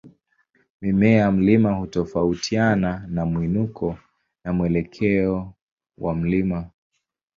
Mimea ya mlima hutofautiana na mwinuko na mwelekeo wa mlima.